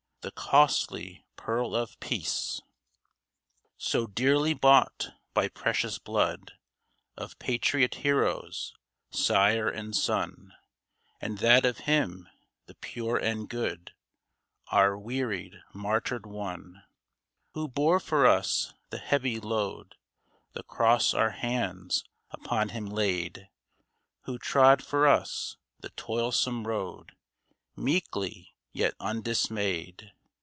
The costly pearl of Peace ! i865 83 So dearly bought ! By precious blood Of patriot heroes — sire and son — And that of him, the pure and good, Our wearied, martyred One ; Who bore for us the heavy load — The cross our hands upon him laid ; Who trod for us the toilsome road Meekly, yet undismayed